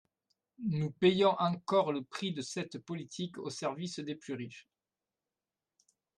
Nous payons encore le prix de cette politique au service des plus riches.